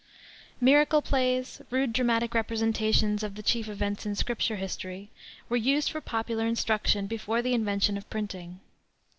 Miracle plays, rude dramatic representations of the chief events in Scripture history, were used for popular instruction before the invention of printing.